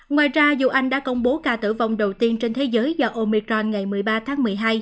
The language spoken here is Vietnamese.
ngoài ra dù anh đã công bố ca tử vong đầu tiên trên thế giới do omicron ngày một mươi ba tháng một mươi hai